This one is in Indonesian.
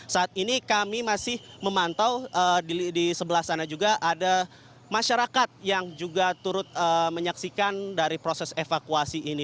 saat ini kami masih memantau di sebelah sana juga ada masyarakat yang juga turut menyaksikan dari proses evakuasi ini